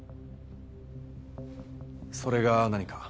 それが何か？